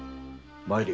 参れ。